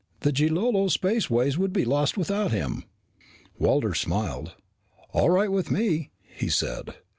The Jilolo Spaceways would be lost without him." Walters smiled. "All right with me," he said.